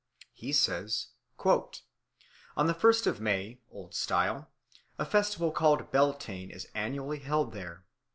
He says: "On the first of May, O.S., a festival called Beltan is annually held here.